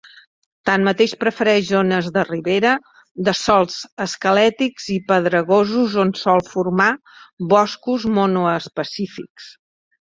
Tanmateix prefereix zones de ribera, de sòls esquelètics i pedregosos on sol formar boscos monoespecífics.